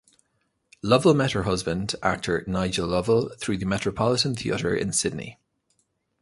Lovell met her husband, actor Nigel Lovell, through the Metropolitan Theatre in Sydney.